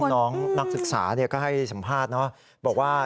น้องนักศึกษาก็ให้สัมภาษณ์บอกว่า